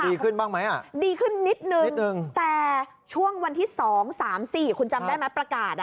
ดีขึ้นบ้างไหมอ่ะดีขึ้นนิดนึงแต่ช่วงวันที่๒๓๔คุณจำได้ไหมประกาศอ่ะ